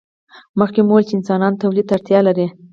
مخکې مو وویل چې انسانان تولید ته اړتیا لري.